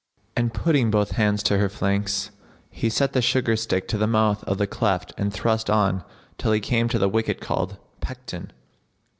and putting both hands to her flanks, he set the sugar stick[FN#62] to the mouth of the cleft and thrust on till he came to the wicket called "Pecten."